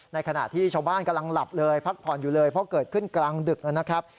ในขณะที่ชาวบ้านกำลังหลับเลยพักผ่อนอยู่เลยเพราะเกิดขึ้นกลางดึกนะครับ